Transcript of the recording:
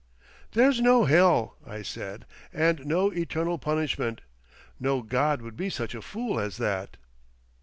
"There's no hell," I said, "and no eternal punishment. No God would be such a fool as that."